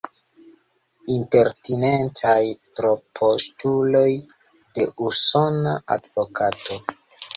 Impertinentaj tropostuloj de usona advokato.